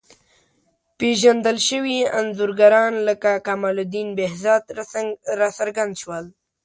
پېژندل شوي انځورګران لکه کمال الدین بهزاد راڅرګند شول.